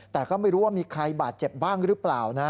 แต่ก็ไม่รู้ว่ามีใครบาดเจ็บบ้างหรือเปล่านะ